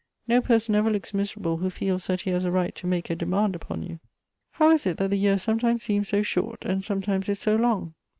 No person ever looks miserable who feels that he has a right to make a demand upon you." " How is it that the year sometimes seems so short, and sometimes is so long